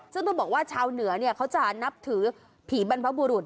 ซึ่งต้องบอกว่าชาวเหนือเขาจะนับถือผีบรรพบุรุษ